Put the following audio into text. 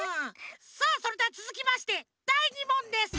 さあそれではつづきましてだい２もんです。